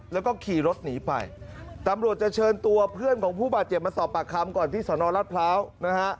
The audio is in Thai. แล้วก็ขี่รถหนีไปตำรวจจะเชิญตัวเพื่อนของผู้บาดเจ็บมาสอบปากคำก่อนที่สนรัฐพร้าวนะฮะ